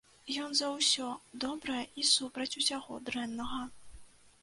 Ён за ўсё добрае і супраць усяго дрэннага.